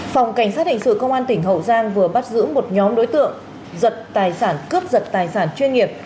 phòng cảnh sát hình sự công an tỉnh hậu giang vừa bắt giữ một nhóm đối tượng giật tài sản cướp giật tài sản chuyên nghiệp